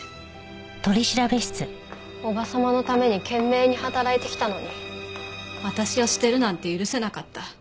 叔母様のために懸命に働いてきたのに私を捨てるなんて許せなかった。